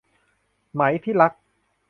ไหม ที่รัก